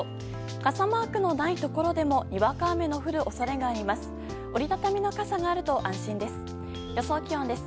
傘マークのないところでもにわか雨の降る恐れがあります。